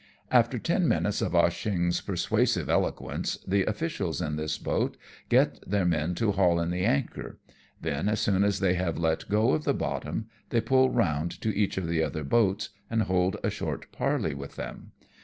After ten minutes of Ah Cheong's persuasive elo quence, the officials in this boat get their men to haul in the anchor ; then as soon as they have let go of the bottom, they pull round to each of the other boats and hold a short parley with them.